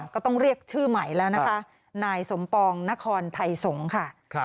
ก็ต้องเรียกชื่อใหม่แล้วนะคะนายสมปองนครไทยสงศ์ค่ะ